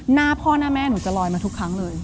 หน้าพ่อหน้าแม่หนูจะลอยมาทุกครั้งเลย